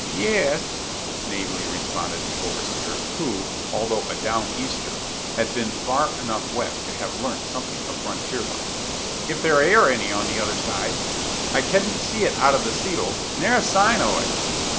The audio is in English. "Ye es," naively responded the overseer, who, although a "down easter," had been far enough west to have learnt something of frontier life; "if theer air any other side. I kedn't see it out o' the seddle ne'er a sign o' it."